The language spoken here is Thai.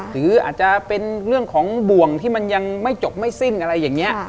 หรืออาจจะเป็นเรื่องของบ่วงที่มันยังไม่จบไม่สิ้นอะไรอย่างนี้